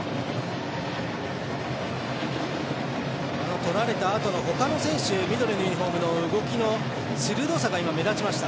取られたあとの他の選手緑のユニフォームの選手の動きの鋭さが目立ちました。